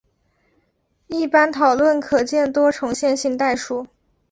一般讨论可见多重线性代数。